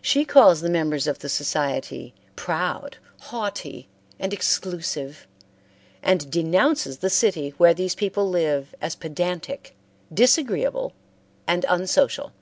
She calls the members of the society proud, haughty, and exclusive, and denounces the city where these people live as pedantic, disagreeable, and unsocial.